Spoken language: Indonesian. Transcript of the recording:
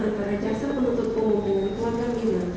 antara jaksa penutup umum dengan keluarga mirna